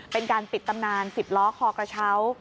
เป็นการปิดตำนาน๑๐ล้อคอกระเช้า